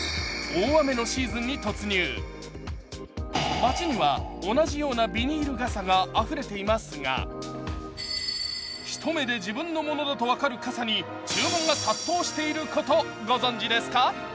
街には同じようなビニール傘があふれていますが一目で自分のものだと分かる傘に注文が殺到していること、ご存じですか？